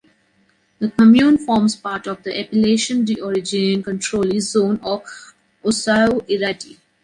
The commune forms part of the Appellation d'origine contrôlée (AOC) zone of Ossau-Iraty.